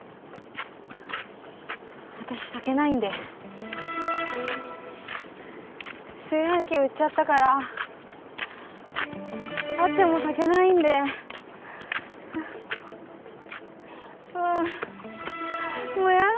私炊けないんで炊飯器売っちゃったからあっても炊けないんでうわあ